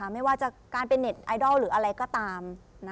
ไม่ว่าจะการเป็นเน็ตไอดอลหรืออะไรก็ตาม